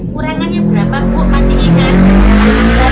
kurangannya berapa bu masih ingat